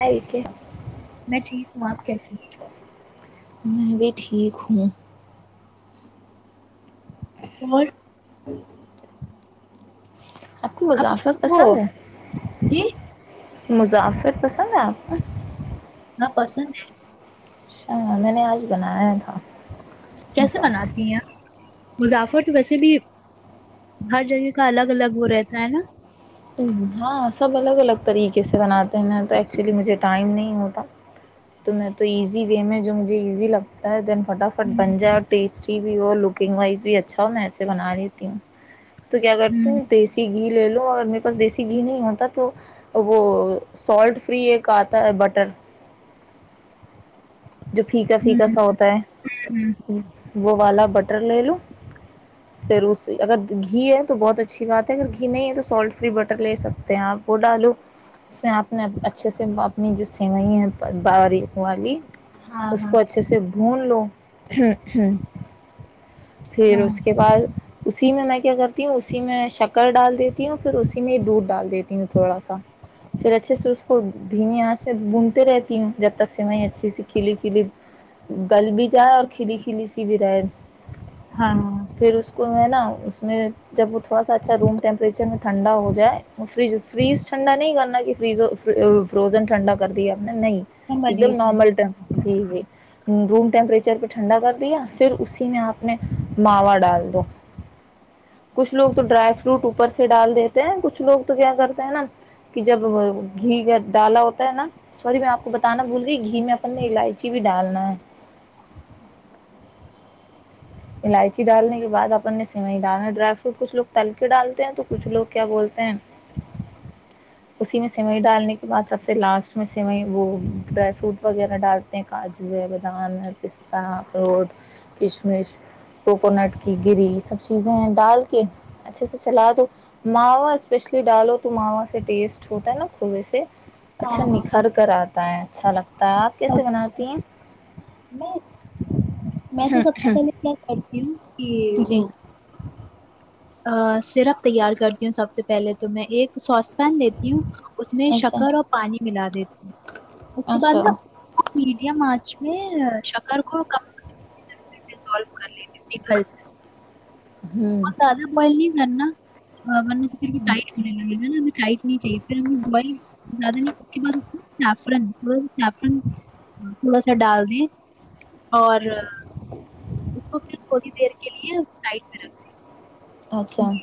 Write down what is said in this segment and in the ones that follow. ت کے [unintelligible] وہ آپ کیسے میں بھی ٹھیک ہوں اور [inaudible] آپ کو مسافر پسند ہے جی مسافر پسند ہیں آپ کو نہ پسند ا ہاںاں میں نے آج بنایا تھا کیسے مظافر مناتی ہیں؟ مظافر سے ویسے بھی ہر جگہ کا الگ الگ وہ رہتا ہے نا ہاں سا بلاگ الگ طریقے سے بناتے ہیں تو ایکچولی مجھے ٹائم نہیں ہوتا تو میں تو ایزی وے میں جو مجھے ایزی لگتا ہے دین فٹافٹ ہوں بن جائےؤ ٹیسٹ ا بھی ہو لکنگ وائز بھی اچھا ہو میں ایسے بنا لییتی ہوں تو کیا کرتی ہوں دیسی گھی لےو اگر ن پس دیسی گھی نہیں ہوتا تو وہ سالٹ فری ایک آتا ہے بٹر جو پھیکا پھیکا ہوں سا ہوتا ہوں ہے وہ والا بٹر لے لو پھر اس اگر تو گھی ہے تو بہت اچھی بات ہے اگر گھی نہیں ہے تو سالٹ فری بٹر لے سکتے ہیں آپ وہ ڈالو اس میں آپ نے اچھے سے اپنی جو سیوئیں ہیں باریک والی ہاں اس ہاں کو اچھے سے بھون لو ہ پھر ہاں اس کے بعد اسی میں میں کیا کرتی ہوں اسی میں شک کر ڈال دیتی ہ اور پھر اسی میں دودھ ڈال دیتی تھوڑا سا پھر اچھے سے اس کو دھیمی آنس سے گھومتی رہتی ہوں جب تک س میں اچھی سی کھلی کلی گل بھی جائے اور کھلی کلی سی بھی رہے ہاں پھر اس کو میں نا اس میں جب وہ تھوڑا سا اچھا روم ٹیمپریچر میں ٹھنڈا ہو جائے فج فریز ٹنڈا نہیں گ فز فروزن ٹھنڈا کر دی ہے اپنا نہیں سمجھ ایک گئی دم سمجھ نارمل گئی۔ ٹم جی جی روم ٹیمپریچر پہ ٹھنڈا کر دیا پھر اسی میں آپ نے ماوا ڈال دو کچھ لوگ تو ڈرائی فروٹ اوپر سے ڈال دیتے ہیں کچھ لوگ تو کیا کرتے ہیں نا کہ جب گھی ڈالا ہوتا ہے نا سوری میں آپ کو بتانا بھول رہی گھی میں اپ الائچی بھی ڈالنا ہے الائچی ڈالنے کے بعد اپن نے سیوئی ڈالنا ڈرائی فروٹ کچھ لوگ تل کے ڈالتے ہیں تو کچھ لوگ کیا بولتے ہیں اسی میں سیوئئی ڈالنے کے بعد سب سے لاسٹ میں سیوئ وہ ڈرائی فروٹ وغیرہ ڈالتے ہیں کاجو ہے بادام ہے پستہ اخروٹ کشمش کوکونٹ کی گری یہ سب چیزیں ہیں ڈال کے اچھے سے چلا دو ماوا اسپیشلی ڈالو تو ماوا سے ٹیسٹ ہوتا ہے نا خوب سے ہاں اچھا نکھار کر آ اچھا لگتا ہے آپ ہاں کیسے اچھا بناتی ہیں میں میں تو سب سے پہلے کیا کرتی ہوں کہ جی وہ سرپ تیار کرتی ہوں سب سے پہلے تو میں ایک سوس پن لیتی ہوں اس میں اچھا شکر اور پانی ملاات د اس کے بعد اچھا نا چ میں شکر کو ک کرل ہ اور دادہ بلی نا ہ م نےے کھر ٹ مل لے ج چاہیے پھر زیادہ نہیں سفرن سفرن تھوڑا سا ڈال دیں اور اس کو پھر تھوڑی دیر کے لیے ائٹ کر اچان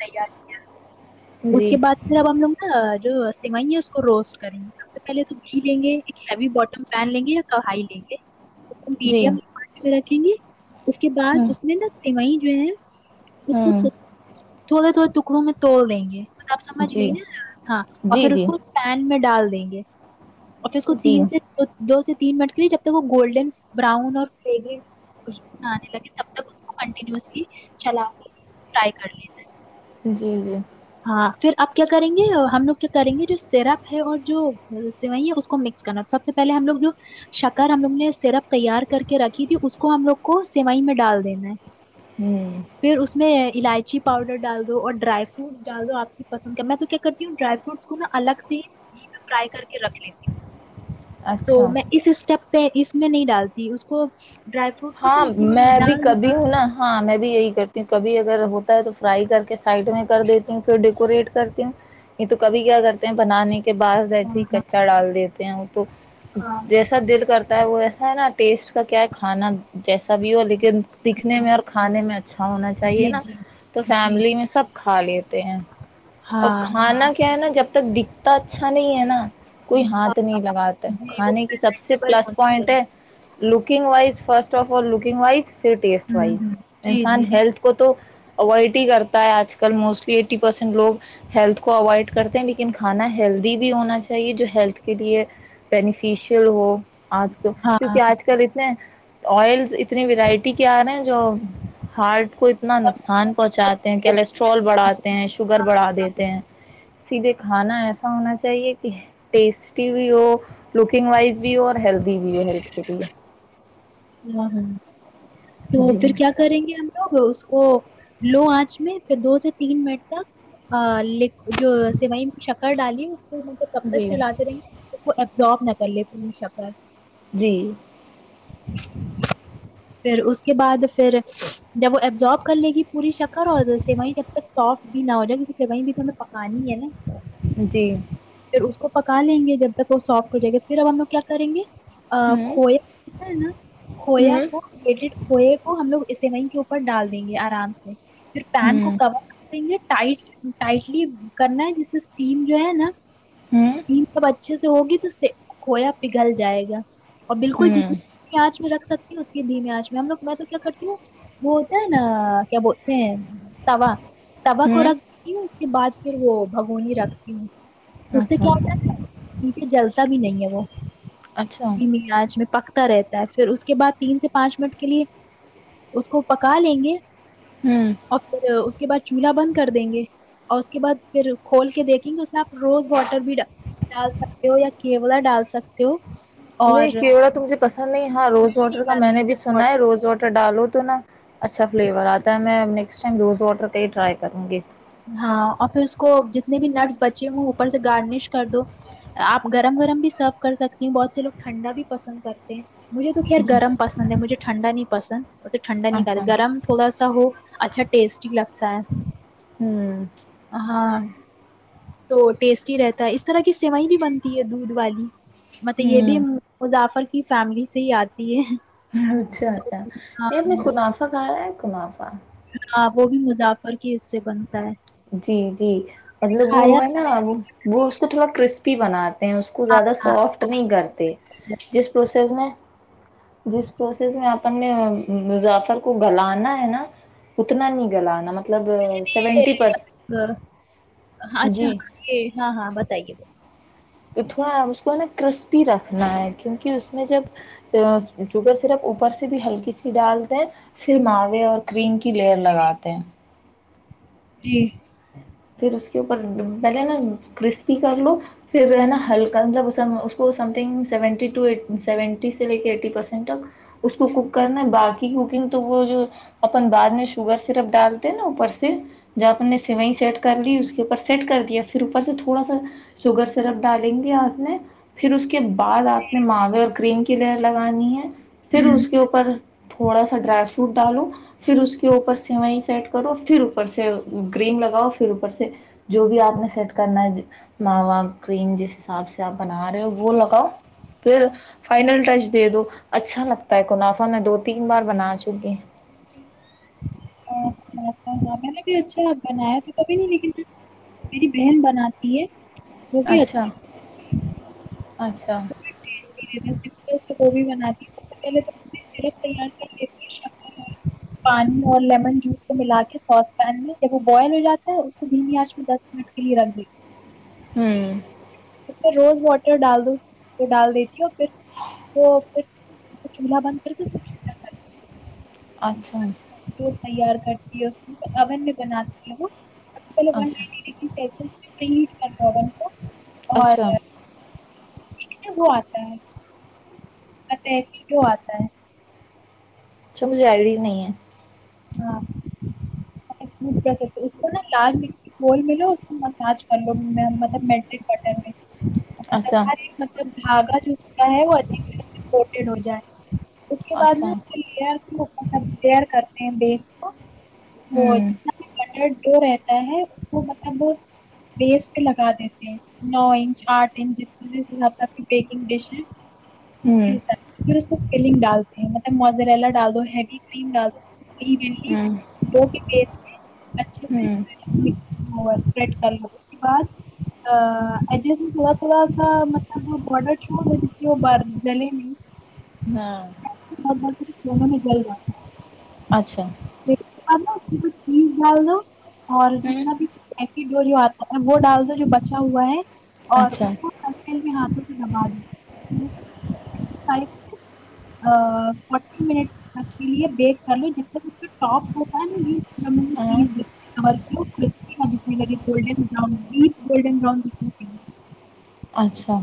نہیں آپ اس کے بعد پھر اب ہم لوگ نا سوئی ہے اس کو روسٹ کریں گے سب سے پہلے گھی لیں گے ایک ہیوی بوٹم پین لیں گے یا کائی لیں گے جی میڈمچ اس کے بد ہوں اس میں نہ ت وہیں ج اسپت ہوں تھوڑے تھوے ٹکڑوں میں توڑ دیں گے آب سمجھ جی گئی نا ہاں اور جی پھر اس جی کو پین میں ڈال دیں گے آفس کو جی تین سے دو دو سے تین منٹ کے لیے جب تک وہ گولڈن براؤن اور ف خش آنے لگے تب تک اس کنٹینلی چلا کر فرائی کرنے جی جی پھر اپ کیا کریں گے ہم لوگ کیا کریں گے جو سراپ ہے اور جو سوئی ہیں اس کو مکس کرنا سب سے پہلے ہم لوگ جو شکر ہم لوگوں نے صرف تیار کر کے رکھی تھی اس کو ہم لوگ کو سمائی میں ڈال دینا ہے ہوں پھر اس میں الائچی اچی پاؤڈر ڈال دو اور ڈرائی فروٹ چالو آپ کی پسند کا میں تو کیا کرتی ہوں ڈرائی فروٹس کو نا الگ سے فرائی کر کے رکھ لیتی ہوں تو اچھا میں اس اسٹپ پہ اس میں نہیں ڈالتی اس کو ڈرائی فروٹس کو پھر ہاں اسی یہ میں بھی ڈال دو کبھی ہوں نا ہاں میں بھی یہی کرتی ہوں کبھی [unintelligible] اگر ہوتا ہے تو فرائی کر کے سائڈ میں کر دیتی ہوں پھر ڈیکوریٹ کرتی ہوں یہ تو کبھی کیا کرتے ہیں بنانے کے بعد جیسے ہی ہاں کچا ڈال دیتے ہیں وہ تو ہاں جیسا دل کرتا ہے وہ وسا ہے نا ٹیسٹ کا کیا ہے کھانا جیسا بھی ہو لیکن دکھنے ہاں ہاں میں اور کھانے میں اچھا ہونا چاہیے جی نا جی تو جی فیملی میں سب کھا لیتے ہیں اور ہاں جی کھانا کیا ہے نا جب ب تک دکھتا اچھا نہیں ہے نا کوئی ہاں ہاتھ نہیں لگاتے جی وہ کھانے کی سب سے پیپل پلس ہونا پوائنٹ چاہیے. ہے لوکنگ وائز فرسٹ اور لکنگ وائز پھر ٹیسٹ وائز ہوں ہ جی انسان جی ہیلتھ کو تو اوائڈ ہی کرتا ہے آج کل موسٹلی ایسینٹ لوگ ہیلتھ کو اوائڈ کرتے ہیں لیکن کھانا ہیلدی بھی ہونا چاہی چاہیے جو ہیلتھ کے لیے بینیفیشیل ہو آپ کو ہاں کیونکہ آج کل اتنے آئلس اتنی ورائٹی کے آ رہے ہیں جو ہارڈ کو اتنا ہاں نقصان پہنچاتے ہیں کولیسٹرول بڑھاتے ہیں شوگر بڑھا دیتے ہیں سیدھے کھانا ایسا ہونا چاہیے کہ ٹیسٹی بھی ہو لکنگ وائز بھی ہو اور ہیل [unintelligible] دی بھی ہیلتھ کے لیری ہے ہ ہاں تو جی پھر کیا کریں گے ہم لوگ اس کو لو آنچ میں پھر دو سے تین منٹ تک جو سیوئئی میں شکر ڈالی تو کب تک جی چلااتے رہیں [unintelligible] جاب نک لی ت شکر جی [unintelligible] پھر اس کے بعد پھر جب وہ ایبزارب کر لے گی پوری شکر اور سیوئیں جب تک ساف بھی نہ ہو جائے کیونکہ سیوئیں بھی تو ہمیں پکانی ہے نا [unintelligible] جی پھر اس کو پکا لیں گے جب تک وہ سافٹ ہو جائے گا پھر ہم کیا کریں گے ا ہوں کھویا ہے نا [unintelligible] کھویا ہوں کوڈ کو کو ہم اسے وہیں کے اوپر ڈال دیں گے آرام سے پھر پین کو ہوں کور کر دیں گے [unintelligible] ٹائٹ ٹائٹلی کرنا ہے جس سے اسٹیم جو ہے نا ہوں جی سب اچھے سے سے ہوگی تو کویا پگھل جائے گا اور بالکل ہوں جتنی آنچ میں رکھ سکتی اس کی دھیمی آچ میں ہم لوگ میں تو کیا کرتی ہوں وہ ہوتا ہے نا کیا بولتے ہیں تا تا ہوں کووراک اس کے بعد پھر وہ بگونی رکھتی ہیں اس سے اچھا کیا ہوتا ہےہ جلس بھی نہیں ہے وہ اچھا ہوں جی نہیں آج میں پکتر تا پھر اس کے بعد تین سے پانچ منٹ کے لیے اس کو پکا لیں گے اور پھر اس کے بعد چولہا بند کر دیں گے اور اس کے بعد پھر کھول کے دیکھیں گے اس میں آپ روز واٹر بھی ڈال سکتے ہو یا کیولا ڈال سکتے ہو نہیں کیڑا تو مجھے پسند نہیں ہے ہاں روز واٹر کا میں نے بھی سنا اور ہے روز واٹر ڈالو تو تو نا اچھا فلیور آتا ہے میں نیک ٹائم روز واٹر کا ہی ٹرائی کروں گی ہاں اور پھر اس کو جتنے بھی نٹس بچے ہوں اوپر سے گارنش کر دو آپ گرم گرم بھی سرو کر سکتی ہ بہت سے لوگ ٹھنڈا بھی پسند کرتے ہیں مجھے تو خیر گرم پسند ہے مجھے ٹھنڈا نہیں پسند اسے ھنڈا نہیں کر اچھا گرم تھوڑا سا ہو اچھا ٹیسٹی لگتا ہے ہوں ہاں تو ٹیسٹیٹی رہتا ہے اس طرح کی سوئ بھی بنتی ہے دودھ والی مطلب یہ بھی ہوں مضافر کی فیملی سے یاد اچھا اچھا ہاں یہ اپ نے خنافع کہا ہے کنافع ہاں وہ بھی مظافر کے حص سے بنتا ہے جی جی مطلب کھایا وہ ہے نا وہ اس کو تھوڑا کرسپ فی بنات اس کو ہاں زیادہ ہاں سافٹ نہیں کرتے جس پروسیس نے جس پروسیس میں آپ اپنے مظافر کو گلانا ہے نا اتنا نہیں گلانا مطلب مطلب سیونٹی اچھا جی ہاں یہ ہاں ہاں بتائیے [inaudible] تھوڑا اس کو ہے نا کرسپی رکھنا ہے کیونکہ اس میں جب شوگر سرپ اوپر سے بھی ہلکی سی ڈالتے ہیں پھر ماوے اور کریم کی لیئر لگاتے ہے جی پھر اس کے اپر پہلے نا کرسپی کر لو پھر نا ہلکا مطلب اس سم س سیون سے لے کے ایینٹ تک اس کو کوک کرنا باقی کوکنگ تو وہ جو اپن بعد میں شوگر سرپ ڈالتے ہیں نا اوپر سے ج اپ نے سی سیٹ کر لی اس کے اوپر سیٹ کر دیا پھر اوپر سے تھوڑا سا شوگر سرپ ڈالیں گے آپ نے پھر اس کے بعد آپ نے ماوے اور کریم کی لر لگانی ہے پھر ہوں اس کے اوپر تھوڑا سا ڈرائی فروٹ ڈالو پھر اس کے اوپر سیوئیں سیٹ کرو پھر اوپر سے گریم لگاؤ پھر اوپر سے جو بھی آپ نے سیٹ کرنا ہے ما کریم جس حساب سے آپ بنا رہے ہو وہ لگاؤ پھر فائنل ٹچ دے دو اچھا لگتا ہے منافع میں دو تین بار بنا چکے میں نے بھی اچھا بنایا تو کبھی نہیں لیکن میری بہن بناتی ہے وہ بھی اچھا اچھا گوبھی بنات پانی اور لیمن جوس کو ملا کے سوس پین میں جب وہ بوائل ہو جاتا ہے اس کو بھی آچ میں دس منٹ کے لیے رکھ دیتی ہوں اس میں روز واٹر ڈال دو ڈال دی پ وہ پ چولہ بندرک اچھا جو تیار کرتی ہے اس اون میں بناتی ہے وہ اچھا پہلے کیسے فری کرٹگنٹا اچھا وہ آتا ہے پ ای آتا ہے سم جائےی نہیں ہے ہاں تھ اس نا لال م بول ملو اس مساج کر لو مطلب م بٹر میں مطلب اچھا ہر ایک ملب دھاگا جو کا ہے وہ سےٹیڈ ہو جائے جی [unintelligible] اس کے بعد اچھا ن ب ب رپر کرتے ہیں بیس کو وہ ہوں جتنا بٹر جو رہتا ہے اس کو مطلب وہ بیس پہ لگا دیتے ہیں نو انچ آٹھ انچ جتنےس حساب سے آ کی بیکنگ ڈش ہے ہوں س [inaudible] اسلنگ ڈالتے ہیں مطلب موزریلا ڈال دو ہیوی کریم ڈال دو کوئی ہوں م جوک س میں اچھے [inaudible] کر لو اس ب تھا تھڑا سا مطلب بڈر ہو جل ہاں ج جلا اچھا جی ڈال دو اور ہوں جتنا بھی پیک وہ جو آتا ہے وہ ڈال دو جو بچا ہوا ہے اور اچھا اس کو ہ کل کے ہاتھوں سے دما د فو فٹی مٹس تک کے لیے بیک کر لو جتنا کا ٹاپ ہوتا ہے نا ہم ہم ہاں ک دکھنے لگے گولڈن براؤن بھی گولڈن براؤن دکھنے اچھا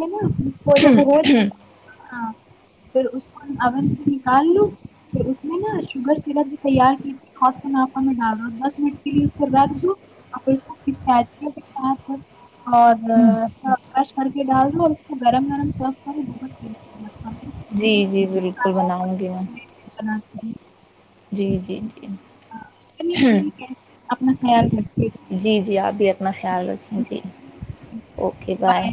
ے نا پجا ہاں پھر اس کو اون سے نکال لوں پھر اس میں نا شوگر سیرپ بھی تیار کی ت ہاتھ نفا میں ڈال دو دس منٹ کے لیے اس رکھ دو اور پھر اس اساتھ ہوں اورش کر کے ڈال دو اور اس کو گرم گرم سر کر جی جی بالکل بناؤں گی میں بناتی ہوں۔ جی جی جی اپنا خیال رکھتے چلو تھی جی اوکے بائے